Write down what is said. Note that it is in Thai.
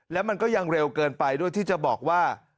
แล้วมันก็ยังเร็วเกินไปด้วยที่จะบอกว่า